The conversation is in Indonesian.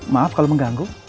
maaf kalau mengganggu